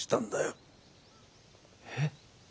えっ。